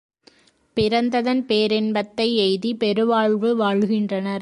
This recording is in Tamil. பிறந்ததன் பேரின்பத்தை எய்தி பெரு வாழ்வு வாழ்கின்றனர்.